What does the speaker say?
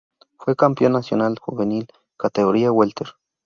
Fue campeón nacional juvenil, categoría welter.